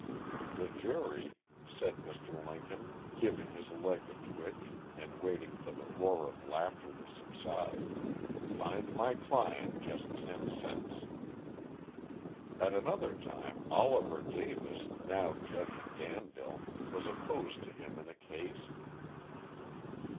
The jury" said Mr. Lincoln, giving his leg a twitch, and waiting for the roar of laughter to subside, "fined my client just ten cents". At another time, Oliver Davis, now judge at Danville, was opposed to him in a case.